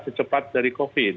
secepat dari covid